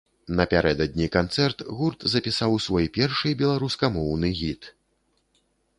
Напярэдадні канцэрт гурт запісаў свой першы беларускамоўны гіт.